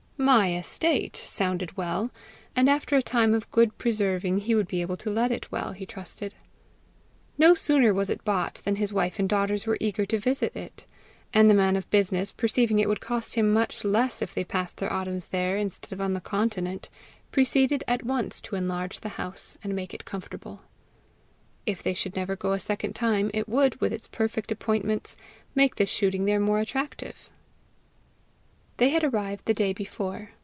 "My estate" sounded well, and after a time of good preserving he would be able to let it well, he trusted. No sooner was it bought than his wife and daughters were eager to visit it; and the man of business, perceiving it would cost him much less if they passed their autumns there instead of on the continent, proceeded at once to enlarge the house and make it comfortable. If they should never go a second time, it would, with its perfect appointments, make the shooting there more attractive! They had arrived the day before.